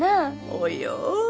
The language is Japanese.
およ。